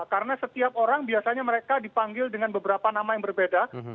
karena setiap orang biasanya mereka dipanggil dengan beberapa nama yang berbeda